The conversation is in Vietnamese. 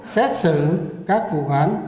xét xử các vụ hoán